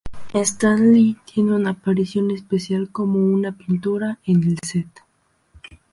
Stan Lee tiene una aparición especial como una pintura en el set.